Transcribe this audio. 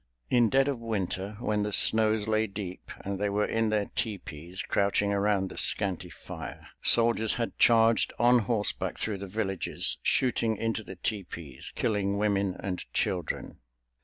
In dead of Winter, when the snows lay deep and they were in their teepees, crouching around the scanty fire, soldiers had charged on horseback through the villages, shooting into the teepees, killing women and children.